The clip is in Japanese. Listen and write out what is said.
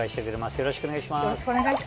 よろしくお願いします。